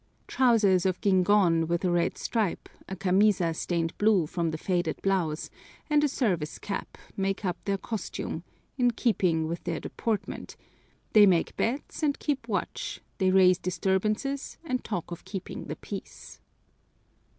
Trousers of guingón with a red stripe, a camisa stained blue from the faded blouse, and a service cap, make up their costume, in keeping with their deportment; they make bets and keep watch, they raise disturbances and talk of keeping the peace.